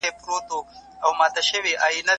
اړيکي کمزوري سوي دي.